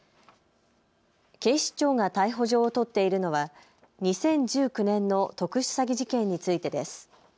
警視庁が逮捕状を取っているのは２０１９年の特殊詐欺事件についてです。